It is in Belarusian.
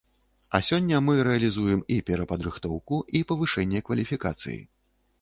А сёння мы рэалізуем і перападрыхтоўку і павышэнне кваліфікацыі.